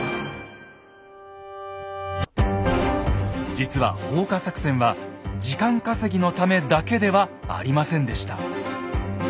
実は放火作戦は時間稼ぎのためだけではありませんでした。